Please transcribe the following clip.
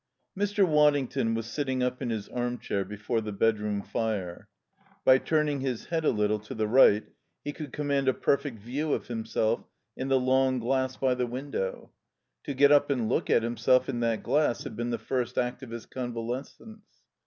XV 1 Mr. Waddington was sitting up in his armchair before the bedroom fire. By turning his head a little to the right he could command a perfect view of himself in the long glass by the window. To get up and look at himself in that glass had been the first act of his convalescence.